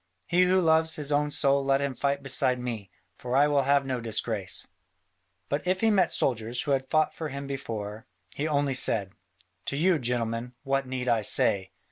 He who loves his own soul let him fight beside me: for I will have no disgrace." But if he met soldiers who had fought for him before, he only said, "To you, gentlemen, what need I say?